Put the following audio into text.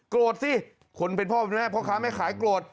โกรธสิคนเป็นพ่อแม่พ่อค้าไม่ขายโกรธ